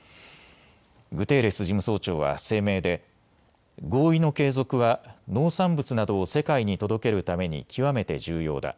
グテーレス事務総長は声明で合意の継続は農産物などを世界に届けるために極めて重要だ。